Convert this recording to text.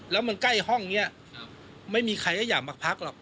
แล้วมันใกล้ห้องนี้ไม่มีใครก็อยากมาพักหรอก